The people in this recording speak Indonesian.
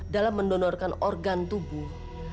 dalam mendonorkan organ tubuh